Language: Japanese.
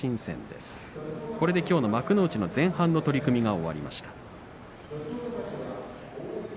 これで幕内前半の取組が終わりました。